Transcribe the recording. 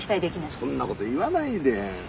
そんな事言わないで。